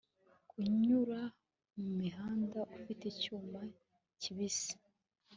kunyura mumihanda ufite icyuma kibisi